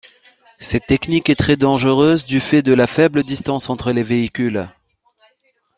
Cette technique est très dangereuse du fait de la faible distance entre les véhicules.